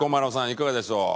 いかがでしょう？